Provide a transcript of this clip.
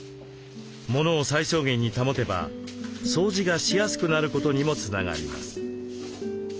物を最小限に保てば掃除がしやすくなることにもつながります。